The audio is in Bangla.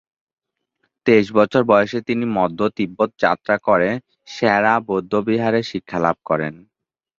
তেইশ বছর বয়সে তিনি মধ্য তিব্বত যাত্রা করে সে-রা বৌদ্ধবিহারে শিক্ষালাভ করেন।